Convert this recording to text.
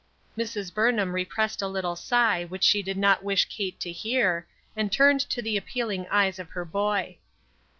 Mrs. Burnham repressed a little sigh which she did not wish Kate to hear, and turned to the ap pealing eyes of her boy.